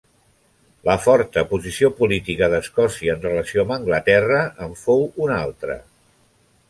La forta posició política d'Escòcia en relació amb Anglaterra en fou un altre.